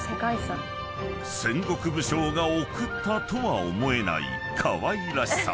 ［戦国武将が贈ったとは思えないかわいらしさ］